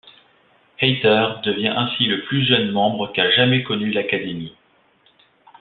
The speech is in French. Hayter devient ainsi le plus jeune membre qu'a jamais connu l'Académie.